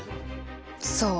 そう。